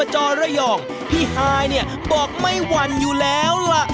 จอระยองพี่ฮายเนี่ยบอกไม่หวั่นอยู่แล้วล่ะ